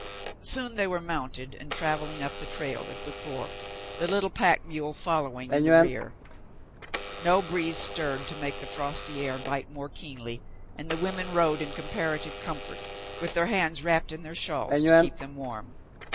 Soon they were mounted and traveling up the trail as before, the little pack mule following in the rear. No breeze stirred to make the frosty air bite more keenly, and the women rode in comparative comfort, with their hands wrapped in their shawls to keep them warm.